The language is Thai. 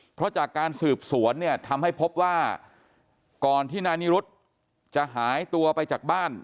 เพราะจากการสืบสวนเนี่ยทำให้พบว่าก่อนที่นายนิรุธจะหายตัวไปจากบ้าน